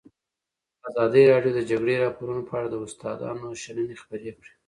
ازادي راډیو د د جګړې راپورونه په اړه د استادانو شننې خپرې کړي.